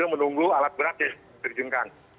saya juga menunggu alat beratnya dipercayakan